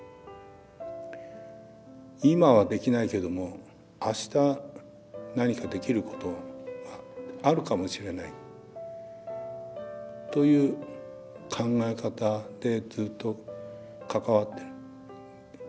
今はできないけどもあした何かできることがあるかもしれないという考え方でずっと関わってる。